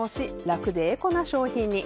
楽でエコな商品に。